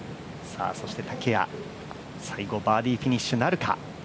そして竹谷、最後バーディーフィニッシュなるか。